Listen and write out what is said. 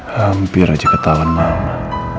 hampir aja ketauan mama